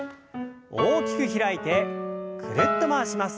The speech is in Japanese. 大きく開いてぐるっと回します。